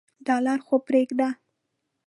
ډالر خو پریږده.